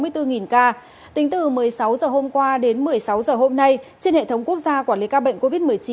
tính từ một mươi sáu h hôm qua đến một mươi sáu h hôm nay trên hệ thống quốc gia quản lý ca bệnh covid một mươi chín